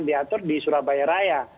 diatur di surabaya raya